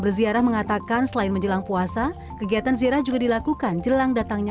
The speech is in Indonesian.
berziarah mengatakan selain menjelang puasa kegiatan zirah juga dilakukan jelang datangnya